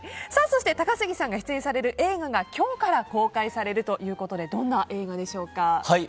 そして高杉さんが出演される映画が今日から公開されるということでどんな映画でしょうか？